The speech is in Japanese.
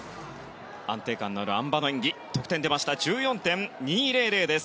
安定感のあるあん馬の演技の得点１４．２００です。